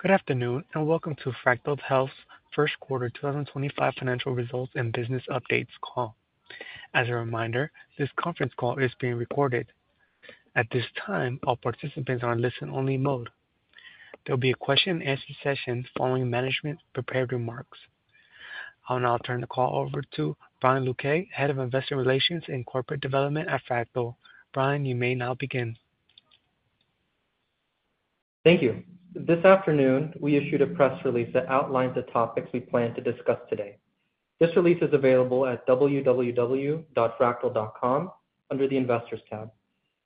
Good afternoon and welcome to Fractyl Health's First Quarter 2025 Financial Results and Business Updates Call. As a reminder, this conference call is being recorded. At this time, all participants are in listen-only mode. There will be a question-and-answer session following management prepared remarks. I'll now turn the call over to Brian Luque, Head of Investor Relations and Corporate Development at Fractyl. Brian, you may now begin. Thank you. This afternoon, we issued a press release that outlines the topics we plan to discuss today. This release is available at www.fractyl.com under the Investors tab.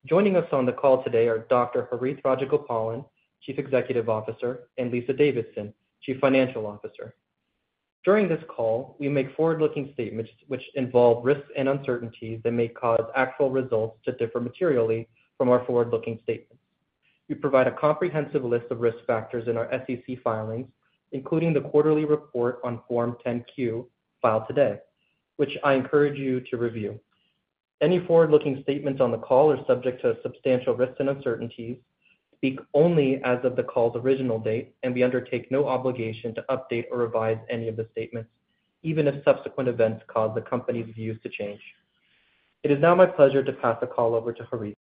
Joining us on the call today are Dr. Harith Rajagopalan, Chief Executive Officer, and Lisa Davidson, Chief Financial Officer. During this call, we make forward-looking statements which involve risks and uncertainties that may cause actual results to differ materially from our forward-looking statements. We provide a comprehensive list of risk factors in our SEC filings, including the quarterly report on Form 10-Q filed today, which I encourage you to review. Any forward-looking statements on the call are subject to substantial risks and uncertainties, speak only as of the call's original date, and we undertake no obligation to update or revise any of the statements, even if subsequent events cause the company's views to change. It is now my pleasure to pass the call over to Harith.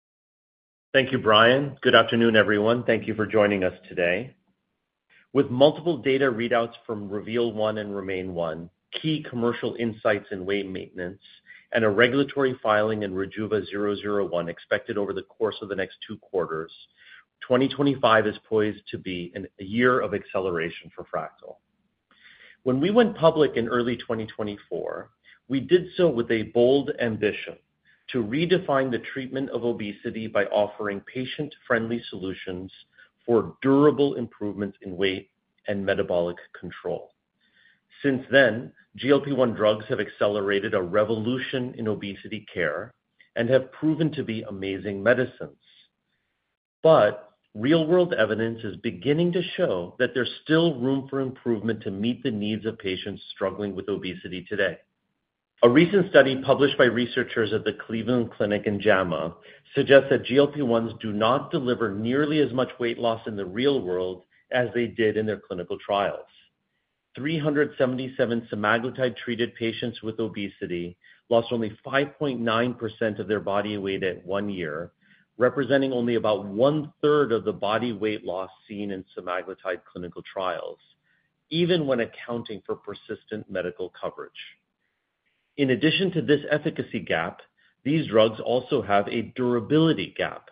Thank you, Brian. Good afternoon, everyone. Thank you for joining us today. With multiple data readouts from REVEAL-1 and REMAIN-1, key commercial insights in weight maintenance, and a regulatory filing in RJVA-001 expected over the course of the next two quarters, 2025 is poised to be a year of acceleration for Fractyl. When we went public in early 2024, we did so with a bold ambition to redefine the treatment of obesity by offering patient-friendly solutions for durable improvements in weight and metabolic control. Since then, GLP-1 drugs have accelerated a revolution in obesity care and have proven to be amazing medicines. Real-world evidence is beginning to show that there's still room for improvement to meet the needs of patients struggling with obesity today. A recent study published by researchers at the Cleveland Clinic in JAMA suggests that GLP-1s do not deliver nearly as much weight loss in the real world as they did in their clinical trials. 377 semaglutide-treated patients with obesity lost only 5.9% of their body weight at one year, representing only about one-third of the body weight loss seen in semaglutide clinical trials, even when accounting for persistent medical coverage. In addition to this efficacy gap, these drugs also have a durability gap.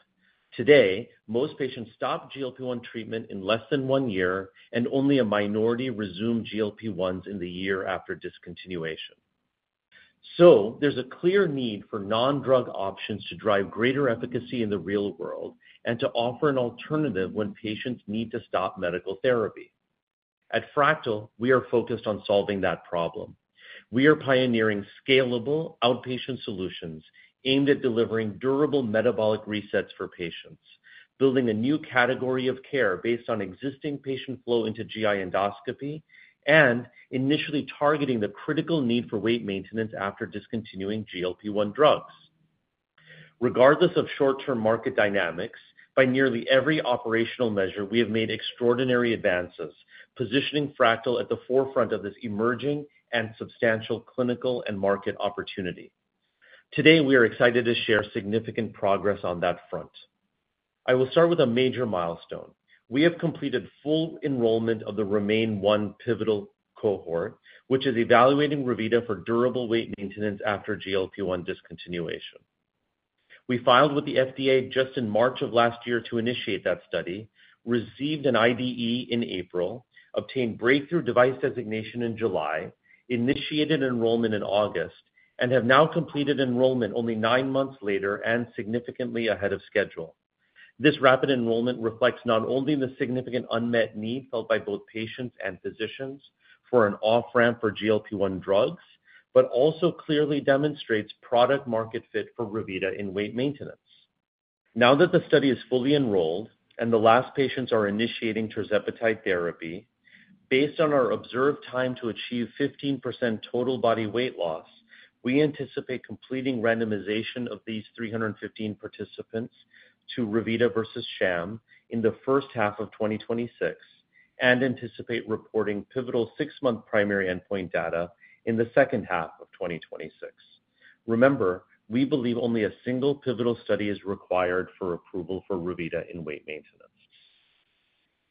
Today, most patients stop GLP-1 treatment in less than one year, and only a minority resume GLP-1s in the year after discontinuation. There is a clear need for non-drug options to drive greater efficacy in the real world and to offer an alternative when patients need to stop medical therapy. At Fractyl, we are focused on solving that problem. We are pioneering scalable outpatient solutions aimed at delivering durable metabolic resets for patients, building a new category of care based on existing patient flow into GI endoscopy, and initially targeting the critical need for weight maintenance after discontinuing GLP-1 drugs. Regardless of short-term market dynamics, by nearly every operational measure, we have made extraordinary advances, positioning Fractyl at the forefront of this emerging and substantial clinical and market opportunity. Today, we are excited to share significant progress on that front. I will start with a major milestone. We have completed full enrollment of the REMAIN-1 Pivotal Cohort, which is evaluating Revita for durable weight maintenance after GLP-1 discontinuation. We filed with the FDA just in March of last year to initiate that study, received an IDE in April, obtained breakthrough device designation in July, initiated enrollment in August, and have now completed enrollment only nine months later and significantly ahead of schedule. This rapid enrollment reflects not only the significant unmet need felt by both patients and physicians for an off-ramp for GLP-1 drugs, but also clearly demonstrates product-market fit for Revita in weight maintenance. Now that the study is fully enrolled and the last patients are initiating tirzepatide therapy, based on our observed time to achieve 15% total body weight loss, we anticipate completing randomization of these 315 participants to Revita versus sham in the first half of 2026 and anticipate reporting pivotal six-month primary endpoint data in the second half of 2026. Remember, we believe only a single pivotal study is required for approval for Revita in weight maintenance.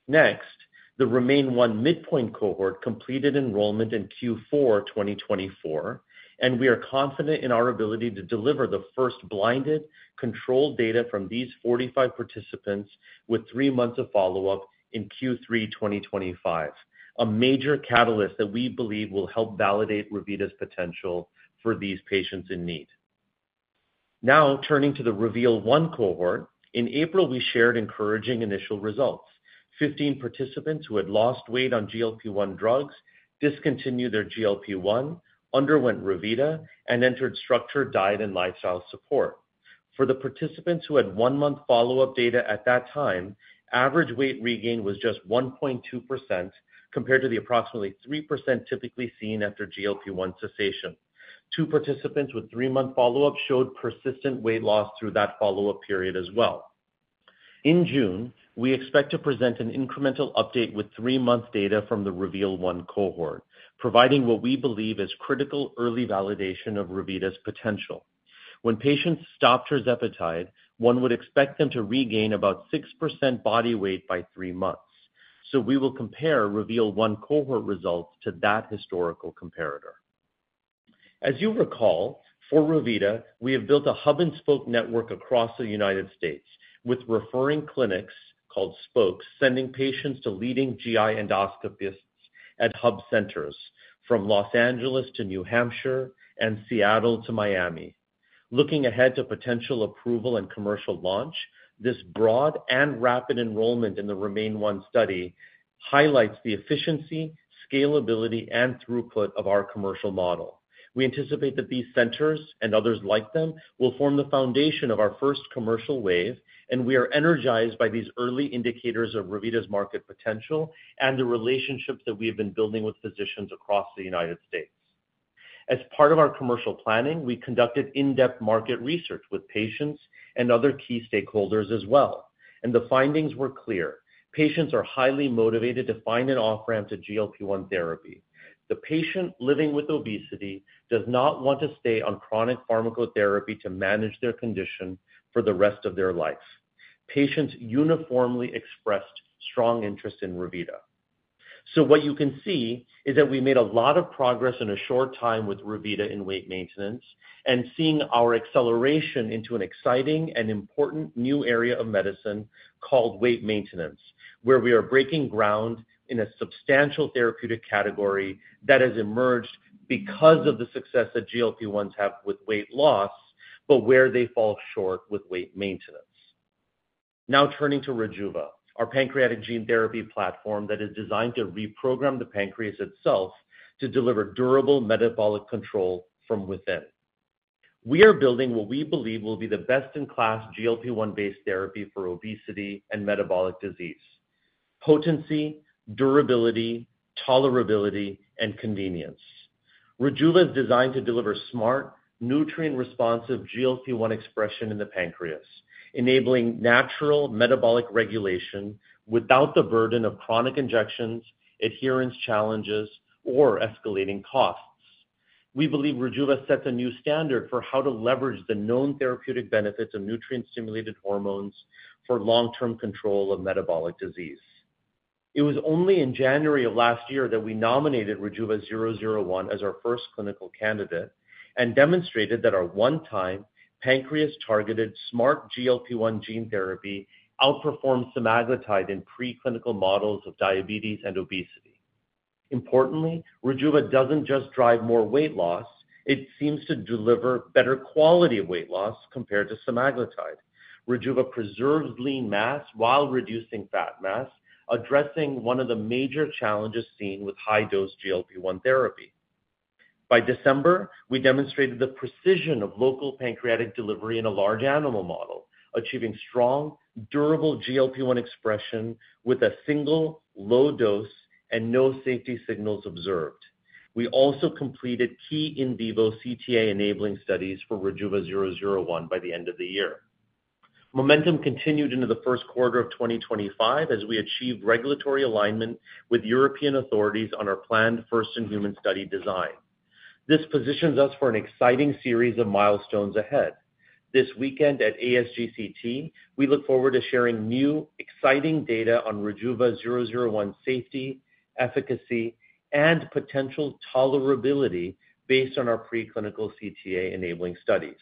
Next, the REMAIN-1 midpoint Cohort completed enrollment in Q4 2024, and we are confident in our ability to deliver the first blinded, controlled data from these 45 participants with three months of follow-up in Q3 2025, a major catalyst that we believe will help validate Revita's potential for these patients in need. Now, turning to the REVEAL-1 Cohort, in April, we shared encouraging initial results. Fifteen participants who had lost weight on GLP-1 drugs discontinued their GLP-1, underwent Revita, and entered structured diet and lifestyle support. For the participants who had one-month follow-up data at that time, average weight regain was just 1.2% compared to the approximately 3% typically seen after GLP-1 cessation. Two participants with three-month follow-up showed persistent weight loss through that follow-up period as well. In June, we expect to present an incremental update with three-month data from the REVEAL-1 Cohort, providing what we believe is critical early validation of Revita's potential. When patients stop tirzepatide, one would expect them to regain about 6% body weight by three months. We will compare REVEAL-1 Cohort results to that historical comparator. As you recall, for Revita, we have built a hub-and-spoke network across the United States with referring clinics called spokes sending patients to leading GI endoscopists at hub centers from Los Angeles to New Hampshire and Seattle to Miami. Looking ahead to potential approval and commercial launch, this broad and rapid enrollment in the REMAIN-1 study highlights the efficiency, scalability, and throughput of our commercial model. We anticipate that these centers and others like them will form the foundation of our first commercial wave, and we are energized by these early indicators of Revita's market potential and the relationships that we have been building with physicians across the United States. As part of our commercial planning, we conducted in-depth market research with patients and other key stakeholders as well, and the findings were clear. Patients are highly motivated to find an off-ramp to GLP-1 therapy. The patient living with obesity does not want to stay on chronic pharmacotherapy to manage their condition for the rest of their life. Patients uniformly expressed strong interest in Revita. What you can see is that we made a lot of progress in a short time with Revita in weight maintenance and seeing our acceleration into an exciting and important new area of medicine called weight maintenance, where we are breaking ground in a substantial therapeutic category that has emerged because of the success that GLP-1s have with weight loss, but where they fall short with weight maintenance. Now turning to Rejuva, our pancreatic gene therapy platform that is designed to reprogram the pancreas itself to deliver durable metabolic control from within. We are building what we believe will be the best-in-class GLP-1-based therapy for obesity and metabolic disease: potency, durability, tolerability, and convenience. Rejuva is designed to deliver smart, nutrient-responsive GLP-1 expression in the pancreas, enabling natural metabolic regulation without the burden of chronic injections, adherence challenges, or escalating costs. We believe Rejuva sets a new standard for how to leverage the known therapeutic benefits of nutrient-stimulated hormones for long-term control of metabolic disease. It was only in January of last year that we nominated RJVA-001 as our first clinical candidate and demonstrated that our one-time pancreas-targeted smart GLP-1 gene therapy outperformed semaglutide in preclinical models of diabetes and obesity. Importantly, Rejuva does not just drive more weight loss; it seems to deliver better quality weight loss compared to semaglutide. Rejuva preserves lean mass while reducing fat mass, addressing one of the major challenges seen with high-dose GLP-1 therapy. By December, we demonstrated the precision of local pancreatic delivery in a large animal model, achieving strong, durable GLP-1 expression with a single low dose and no safety signals observed. We also completed key in vivo CTA-enabling studies for RJVA-001 by the end of the year. Momentum continued into the first quarter of 2025 as we achieve regulatory alignment with European authorities on our planned First-In-Human study design. This positions us for an exciting series of milestones ahead. This weekend at ASGCT, we look forward to sharing new exciting data on RJVA-001's safety, efficacy, and potential tolerability based on our preclinical CTA-enabling studies.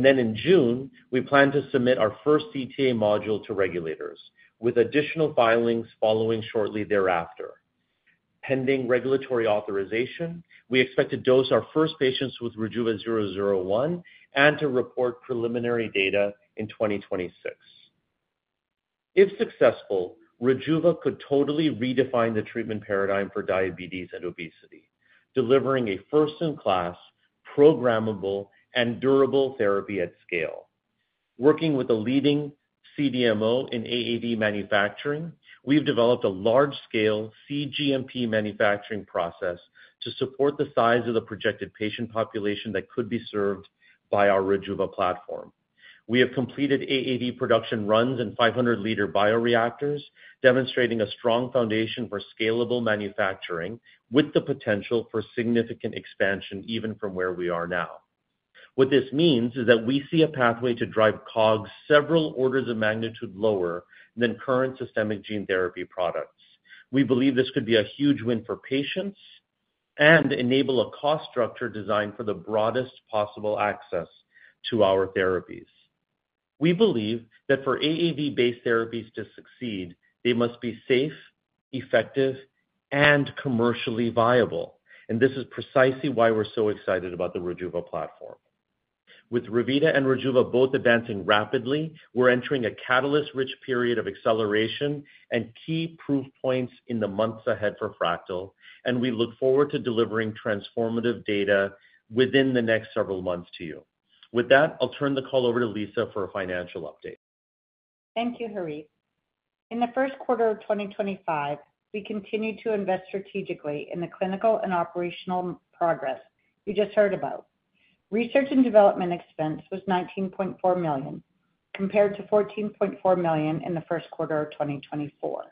In June, we plan to submit our first CTA module to regulators, with additional filings following shortly thereafter. Pending regulatory authorization, we expect to dose our first patients with RJVA-001 and to report preliminary data in 2026. If successful, Rejuva could totally redefine the treatment paradigm for diabetes and obesity, delivering a first-in-class, programmable, and durable therapy at scale. Working with a leading CDMO in AAV manufacturing, we've developed a large-scale cGMP manufacturing process to support the size of the projected patient population that could be served by our Rejuva platform. We have completed AAV production runs in 500-liter bioreactors, demonstrating a strong foundation for scalable manufacturing with the potential for significant expansion even from where we are now. What this means is that we see a pathway to drive COGS several orders of magnitude lower than current systemic gene therapy products. We believe this could be a huge win for patients and enable a cost structure designed for the broadest possible access to our therapies. We believe that for AAV-based therapies to succeed, they must be safe, effective, and commercially viable, and this is precisely why we're so excited about the Rejuva platform. With Revita and Rejuva both advancing rapidly, we're entering a catalyst-rich period of acceleration and key proof points in the months ahead for Fractyl, and we look forward to delivering transformative data within the next several months to you. With that, I'll turn the call over to Lisa for a financial update. Thank you, Harith. In the first quarter of 2025, we continue to invest strategically in the clinical and operational progress you just heard about. Research and Development expense was $19.4 million compared to $14.4 million in the first quarter of 2024.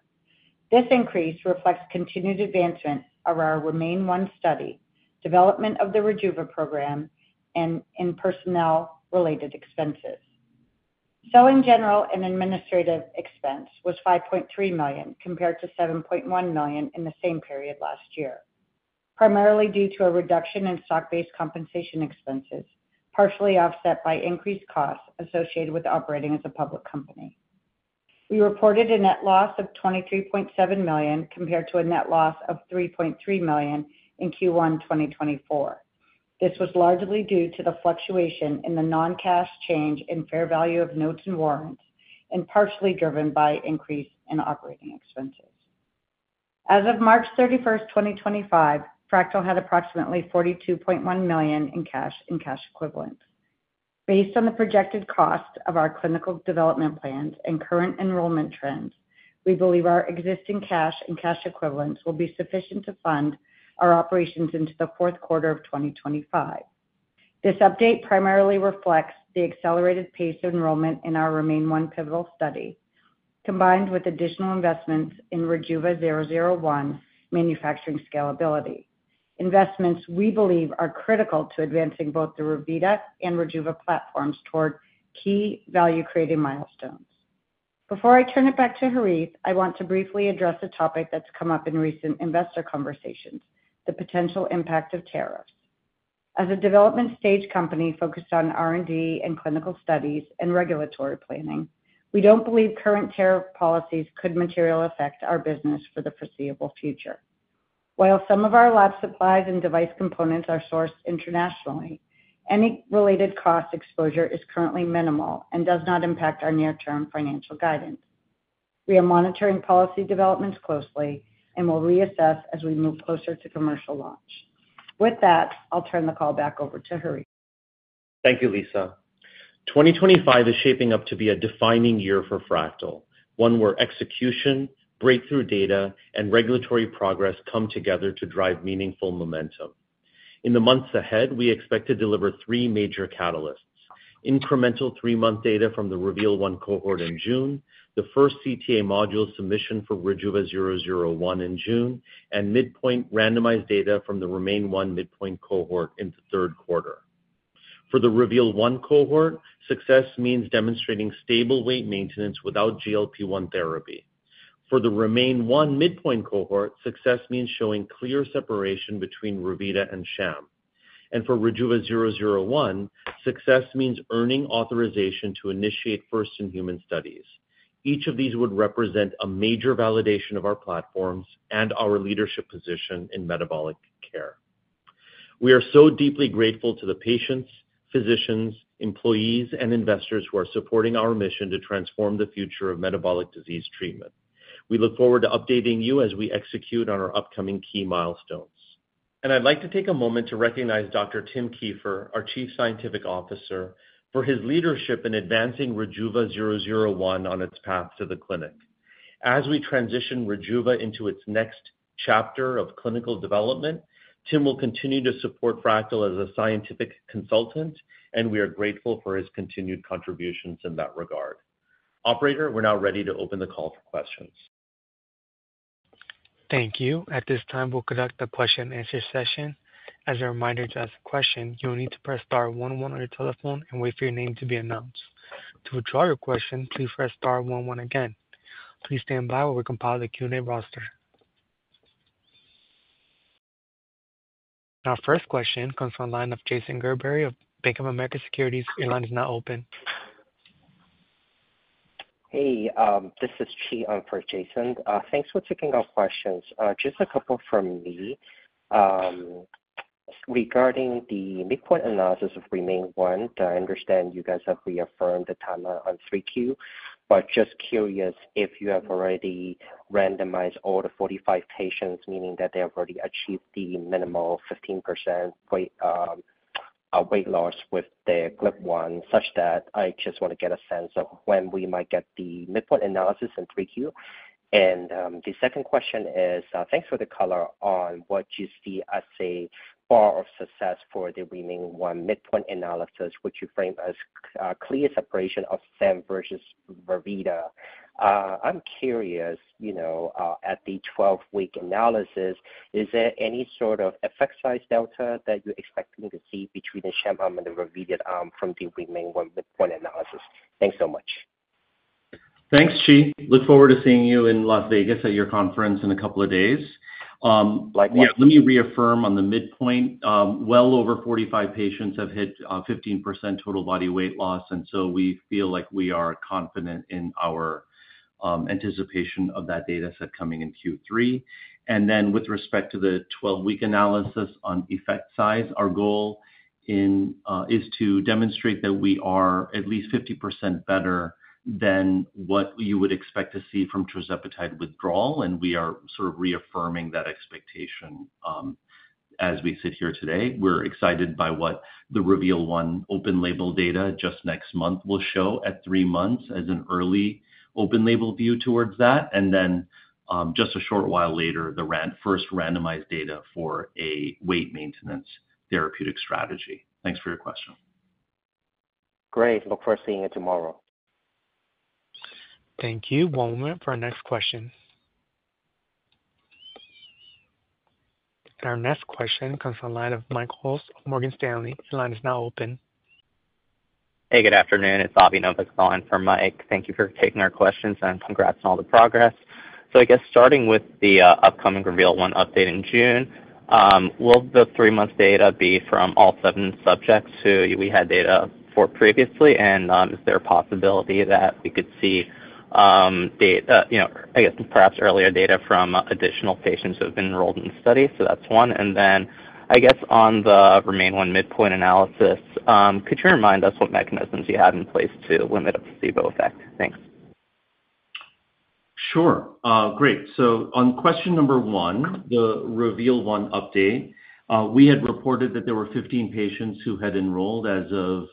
This increase reflects continued advancement around REMAIN-1 study, development of the Rejuva program, and personnel-related expenses. Selling, general, and administrative expense was $5.3 million compared to $7.1 million in the same period last year, primarily due to a reduction in stock-based compensation expenses, partially offset by increased costs associated with operating as a public company. We reported a net loss of $23.7 million compared to a net loss of $3.3 million in Q1 2024. This was largely due to the fluctuation in the non-cash change in fair value of notes and warrants and partially driven by increase in operating expenses. As of March 31st, 2025, Fractyl had approximately $42.1 million in cash and cash equivalents. Based on the projected cost of our clinical development plans and current enrollment trends, we believe our existing cash and cash equivalents will be sufficient to fund our operations into the fourth quarter of 2025. This update primarily reflects the accelerated pace of enrollment in our REMAIN-1 pivotal study, combined with additional investments in RJVA-001 manufacturing scalability. Investments we believe are critical to advancing both the Revita and Rejuva platforms toward key value-creating milestones. Before I turn it back to Harith, I want to briefly address a topic that's come up in recent investor conversations: the potential impact of tariffs. As a development-stage company focused on R&D and clinical studies and regulatory planning, we don't believe current tariff policies could materially affect our business for the foreseeable future. While some of our lab supplies and device components are sourced internationally, any related cost exposure is currently minimal and does not impact our near-term financial guidance. We are monitoring policy developments closely and will reassess as we move closer to commercial launch. With that, I'll turn the call back over to Harith. Thank you, Lisa. 2025 is shaping up to be a defining year for Fractyl, one where execution, breakthrough data, and regulatory progress come together to drive meaningful momentum. In the months ahead, we expect to deliver three major catalysts: incremental three-month data from the REVEAL-1 Cohort in June, the first CTA module submission for RJVA-001 in June, and midpoint randomized data from the REMAIN-1 midpoint Cohort in the third quarter. For the REVEAL-1 Cohort, success means demonstrating stable weight maintenance without GLP-1 therapy. For the REMAIN-1 midpoint Cohort, success means showing clear separation between Revita and Sham. For RJVA-001, success means earning authorization to initiate first-in-human studies. Each of these would represent a major validation of our platforms and our leadership position in metabolic care. We are so deeply grateful to the patients, physicians, employees, and investors who are supporting our mission to transform the future of metabolic disease treatment. We look forward to updating you as we execute on our upcoming key milestones. I'd like to take a moment to recognize Dr. Tim Kieffer, our Chief Scientific Officer, for his leadership in advancing RJVA-001 on its path to the clinic. As we transition Rejuva into its next chapter of clinical development, Tim will continue to support Fractyl as a scientific consultant, and we are grateful for his continued contributions in that regard. Operator, we're now ready to open the call for questions. Thank you. At this time, we'll conduct the question-and-answer session. As a reminder to ask a question, you'll need to press star one one on your telephone and wait for your name to be announced. To withdraw your question, please press star one one again. Please stand by while we compile the Q&A roster. Our first question comes from the line of Jason Matthew Gerberry of Bank of America Securities. Your line is now open. Hey, this is Chi for Jason. Thanks for taking our questions. Just a couple from me regarding the midpoint analysis of REMAIN-1. I understand you guys have reaffirmed the timeline on 3Q, but just curious if you have already randomized all the 45 patients, meaning that they have already achieved the minimal 15% weight loss with the GLP-1, such that I just want to get a sense of when we might get the midpoint analysis in 3Q. The second question is, thanks for the color on what you see as a bar of success for the REMAIN-1 midpoint analysis. Would you frame as a clear separation of sham versus Revita? I'm curious, at the 12-week analysis, is there any sort of effect size delta that you're expecting to see between the sham arm and the Revita arm from the REMAIN-1 midpoint analysis? Thanks so much. Thanks, Chi. Look forward to seeing you in Las Vegas at your conference in a couple of days. Let me reaffirm on the midpoint. Well over 45 patients have hit 15% total body weight loss, and we feel like we are confident in our anticipation of that data set coming in Q3. With respect to the 12-week analysis on effect size, our goal is to demonstrate that we are at least 50% better than what you would expect to see from tirzepatide withdrawal, and we are sort of reaffirming that expectation as we sit here today. We are excited by what the Reveal One open label data just next month will show at three months as an early open label view towards that, and then just a short while later, the first randomized data for a weight maintenance therapeutic strategy. Thanks for your question. Great. Look forward to seeing it tomorrow. Thank you. One moment for our next question. Our next question comes from the line of Mike Holtz of Morgan Stanley. Your line is now open. Hey, good afternoon. It's Avi Novick from Mike. Thank you for taking our questions and congrats on all the progress. I guess starting with the upcoming Reveal One update in June, will the three-month data be from all seven subjects who we had data for previously, and is there a possibility that we could see, I guess, perhaps earlier data from additional patients who have been enrolled in the study? That's one. I guess on the REMAIN-1 midpoint analysis, could you remind us what mechanisms you had in place to limit a placebo effect? Thanks. Sure. Great. On question number one, the REVEAL-1 update, we had reported that there were 15 patients who had enrolled as of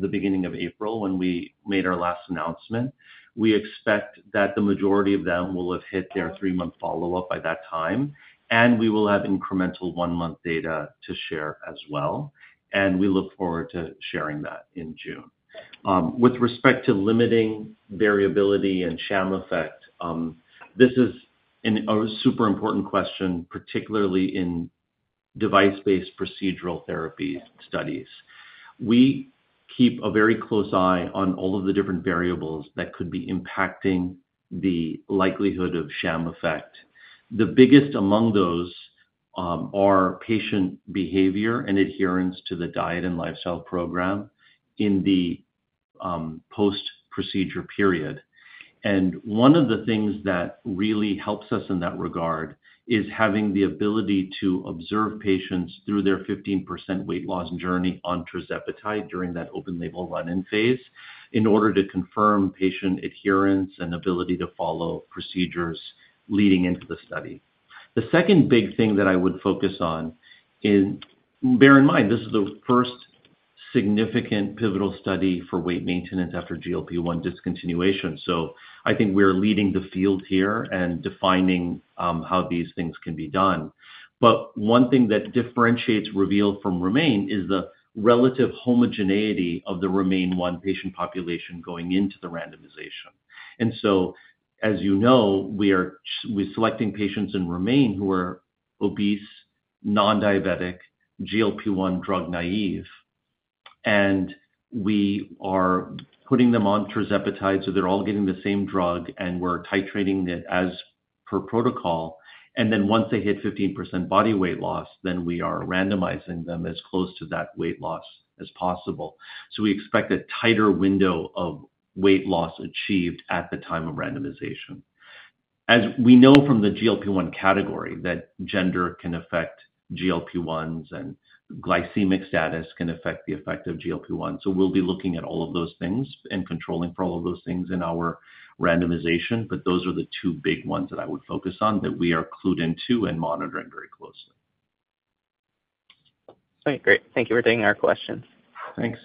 the beginning of April when we made our last announcement. We expect that the majority of them will have hit their three-month follow-up by that time, and we will have incremental one-month data to share as well. We look forward to sharing that in June. With respect to limiting variability and sham effect, this is a super important question, particularly in device-based procedural therapy studies. We keep a very close eye on all of the different variables that could be impacting the likelihood of sham effect. The biggest among those are patient behavior and adherence to the diet and lifestyle program in the post-procedure period. One of the things that really helps us in that regard is having the ability to observe patients through their 15% weight loss journey on tirzepatide during that open label run-in phase in order to confirm patient adherence and ability to follow procedures leading into the study. The second big thing that I would focus on is, bear in mind, this is the first significant pivotal study for weight maintenance after GLP-1 discontinuation. I think we're leading the field here and defining how these things can be done. One thing that differentiates REVEAL from REMAIN is the relative homogeneity of the REMAIN-1 patient population going into the randomization. As you know, we're selecting patients in REMAIN who are obese, non-diabetic, GLP-1 drug naive, and we are putting them on tirzepatide so they're all getting the same drug, and we're titrating it as per protocol. Once they hit 15% body weight loss, we are randomizing them as close to that weight loss as possible. We expect a tighter window of weight loss achieved at the time of randomization. As we know from the GLP-1 category, gender can affect GLP-1s and glycemic status can affect the effect of GLP-1. We will be looking at all of those things and controlling for all of those things in our randomization, but those are the two big ones that I would focus on that we are clued into and monitoring very closely. All right. Great. Thank you for taking our questions. Thanks.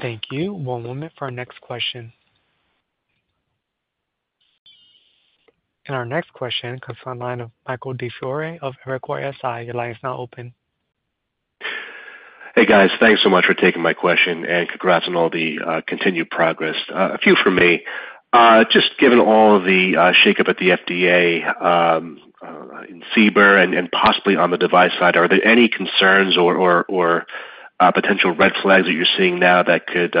Thank you. One moment for our next question. Our next question comes from the line of Michael DiFiore of Evercore ISI. Your line is now open. Hey, guys. Thanks so much for taking my question and congrats on all the continued progress. A few for me. Just given all of the shakeup at the FDA in CBER and possibly on the device side, are there any concerns or potential red flags that you're seeing now that could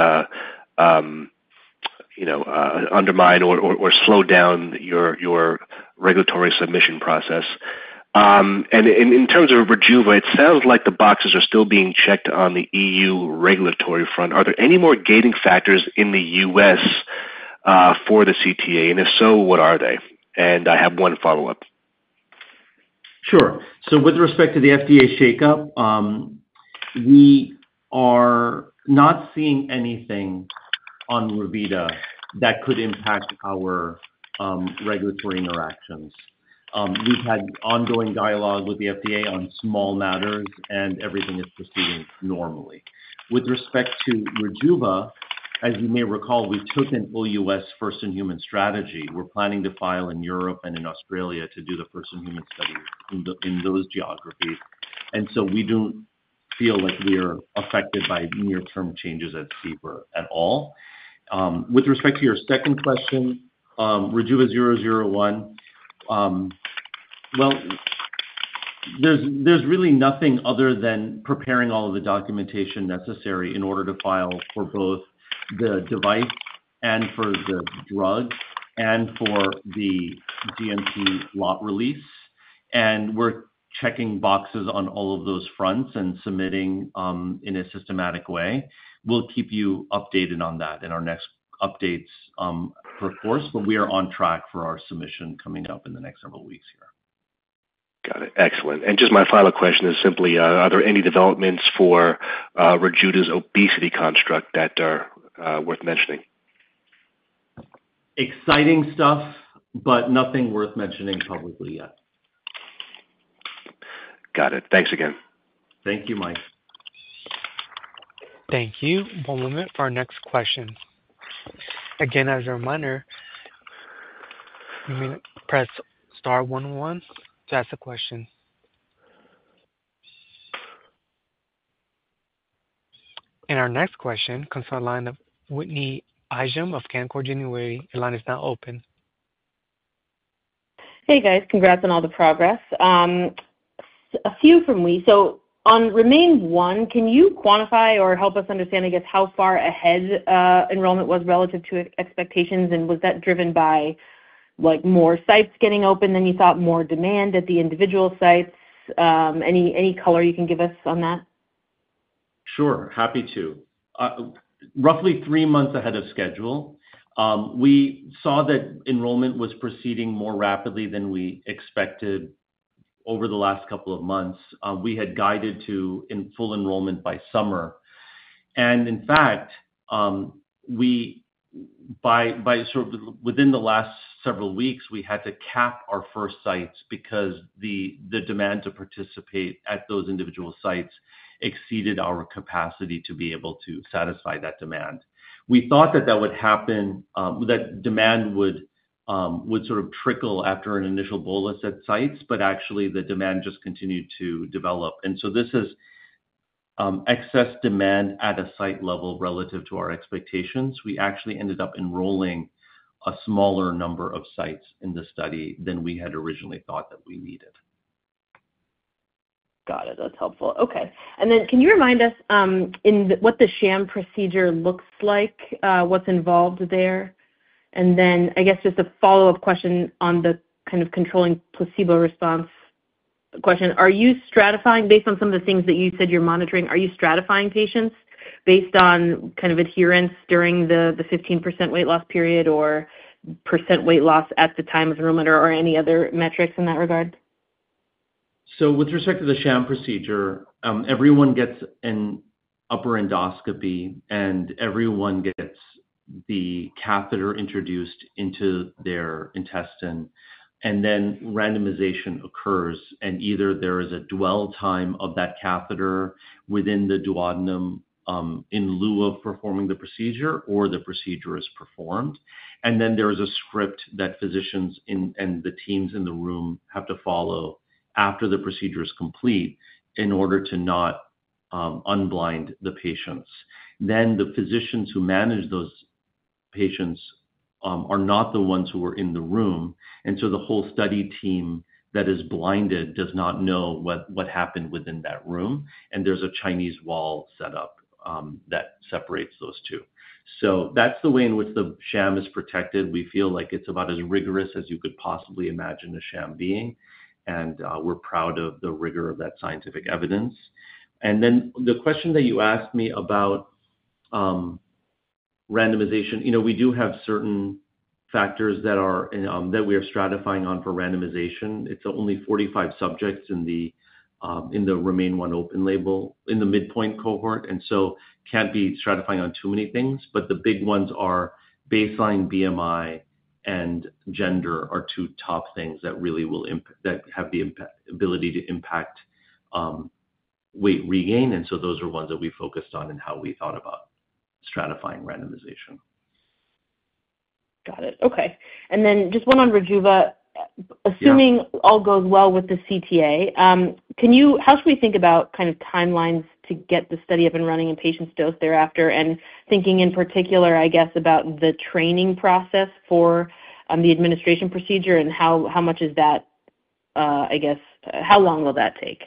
undermine or slow down your regulatory submission process? In terms of Rejuva, it sounds like the boxes are still being checked on the EU regulatory front. Are there any more gating factors in the U.S. for the CTA? If so, what are they? I have one follow-up. Sure. With respect to the FDA shakeup, we are not seeing anything on Revita that could impact our regulatory interactions. We've had ongoing dialogue with the FDA on small matters, and everything is proceeding normally. With respect to Rejuva, as you may recall, we took an OUS First-In-Human strategy. We're planning to file in Europe and in Australia to do the first-in-human study in those geographies. We do not feel like we're affected by near-term changes at CBER at all. With respect to your second question, RJVA-001, there's really nothing other than preparing all of the documentation necessary in order to file for both the device and for the drug and for the DMT lot release. We're checking boxes on all of those fronts and submitting in a systematic way. We'll keep you updated on that in our next updates per course, but we are on track for our submission coming up in the next several weeks here. Got it. Excellent. My final question is simply, are there any developments for Rejuva's obesity construct that are worth mentioning? Exciting stuff, but nothing worth mentioning publicly yet. Got it. Thanks again. Thank you, Mike. Thank you. One moment for our next question. Again, as a reminder, you may press star one one to ask a question. Our next question comes from the line of Whitney Ijem of Canaccord Genuity. Your line is now open. Hey, guys. Congrats on all the progress. A few from me. On REMAIN-1, can you quantify or help us understand, I guess, how far ahead enrollment was relative to expectations, and was that driven by more sites getting open than you thought, more demand at the individual sites? Any color you can give us on that? Sure. Happy to. Roughly three months ahead of schedule, we saw that enrollment was proceeding more rapidly than we expected over the last couple of months. We had guided to full enrollment by summer. In fact, within the last several weeks, we had to cap our first sites because the demand to participate at those individual sites exceeded our capacity to be able to satisfy that demand. We thought that would happen, that demand would sort of trickle after an initial bolus at sites, but actually, the demand just continued to develop. This is excess demand at a site level relative to our expectations. We actually ended up enrolling a smaller number of sites in the study than we had originally thought that we needed. Got it. That's helpful. Okay. Can you remind us what the sham procedure looks like, what's involved there? I guess just a follow-up question on the kind of controlling placebo response question. Are you stratifying based on some of the things that you said you're monitoring? Are you stratifying patients based on kind of adherence during the 15% weight loss period or percent weight loss at the time of enrollment or any other metrics in that regard? With respect to the sham procedure, everyone gets an upper endoscopy, and everyone gets the catheter introduced into their intestine. Randomization occurs, and either there is a dwell time of that catheter within the duodenum in lieu of performing the procedure or the procedure is performed. There is a script that physicians and the teams in the room have to follow after the procedure is complete in order to not unblind the patients. The physicians who manage those patients are not the ones who were in the room. The whole study team that is blinded does not know what happened within that room. There is a Chinese wall set up that separates those two. That is the way in which the sham is protected. We feel like it is about as rigorous as you could possibly imagine a sham being. We are proud of the rigor of that scientific evidence. The question that you asked me about randomization, we do have certain factors that we are stratifying on for randomization. It is only 45 subjects in the REMAIN-1 open label in the midpoint cohort, so cannot be stratifying on too many things, but the big ones are baseline BMI and gender are two top things that really will have the ability to impact weight regain. Those are ones that we focused on and how we thought about stratifying randomization. Got it. Okay. One on Rejuva. Assuming all goes well with the CTA, how should we think about kind of timelines to get the study up and running and patients' dose thereafter? Thinking in particular, I guess, about the training process for the administration procedure and how much is that, I guess, how long will that take?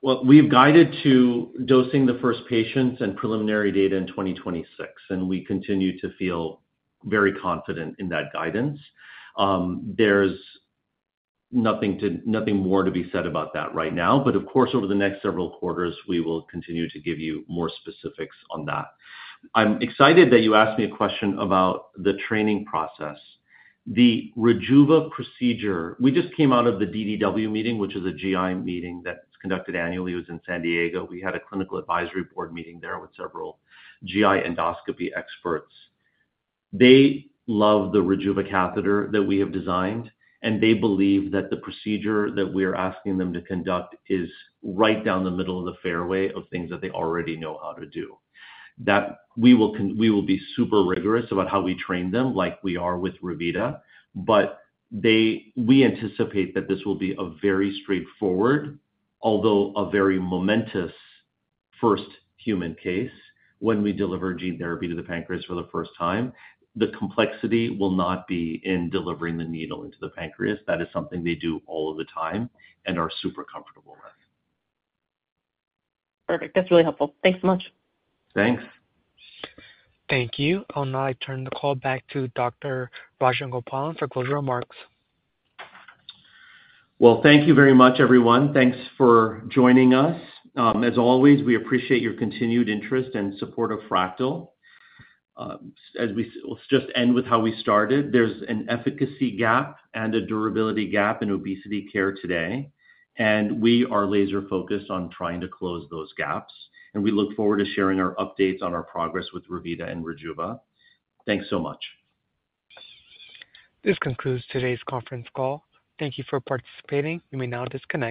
We have guided to dosing the first patients and preliminary data in 2026, and we continue to feel very confident in that guidance. There is nothing more to be said about that right now. Of course, over the next several quarters, we will continue to give you more specifics on that. I'm excited that you asked me a question about the training process. The Rejuva procedure, we just came out of the DDW meeting, which is a GI meeting that's conducted annually. It was in San Diego. We had a clinical advisory board meeting there with several GI endoscopy experts. They love the Rejuva catheter that we have designed, and they believe that the procedure that we are asking them to conduct is right down the middle of the fairway of things that they already know how to do. We will be super rigorous about how we train them like we are with Revita, but we anticipate that this will be a very straightforward, although a very momentous first human case when we deliver gene therapy to the pancreas for the first time. The complexity will not be in delivering the needle into the pancreas. That is something they do all of the time and are super comfortable with. Perfect. That's really helpful. Thanks so much. Thanks. Thank you. I'll now turn the call back to Dr. Harith Rajagopalan for closing remarks. Thank you very much, everyone. Thanks for joining us. As always, we appreciate your continued interest and support of Fractyl. As we just end with how we started, there is an efficacy gap and a durability gap in obesity care today. We are laser-focused on trying to close those gaps. We look forward to sharing our updates on our progress with Revita and Rejuva. Thanks so much. This concludes today's conference call. Thank you for participating. You may now disconnect.